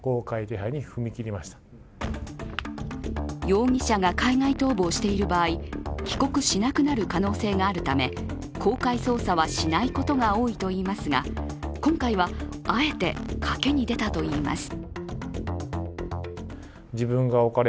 容疑者が海外逃亡している場合、帰国しなくなる可能性があるため公開捜査はしないことが多いといいますが今回はあえて賭けに出たといいます。